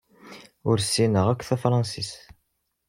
Ur ssineɣ akk tafransist.